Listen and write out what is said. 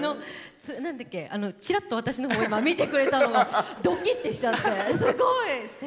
ちらっと私のほう見てくれたのドキッとしちゃって。